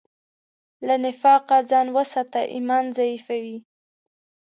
له نفاقه ځان وساته، ایمان ضعیفوي.